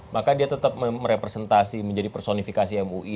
maka dia tetap merepresentasi menjadi personifikasi mui